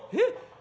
え？